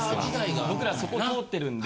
僕らそこ通ってるんで。